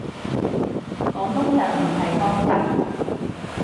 廣東人唔係漢人？